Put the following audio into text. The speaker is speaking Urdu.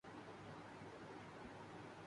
صحافت اب تو مزدوری بن کے رہ گئی ہے۔